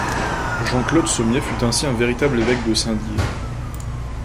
Jean-Claude Sommier fut ainsi un véritable évêque de Saint-Dié.